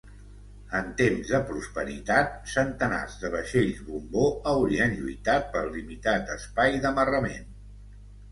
En temps de prosperitat, centenars de vaixells bombó haurien lluitat pel limitat espai d'amarrament.